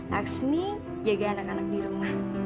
laksmi jaga anak anak di rumah